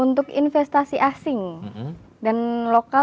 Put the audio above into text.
untuk investasi asing dan lokal